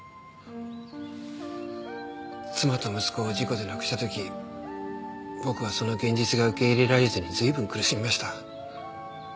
妻と息子を事故で亡くした時僕はその現実が受け入れられずに随分苦しみました。